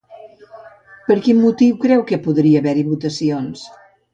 Per quin motiu creu que podria haver-hi votacions?